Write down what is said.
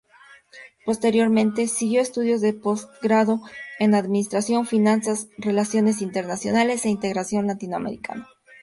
Posteriormente, siguió estudios de postgrado en Administración, Finanzas, Relaciones Internacionales e Integración Latinoamericana.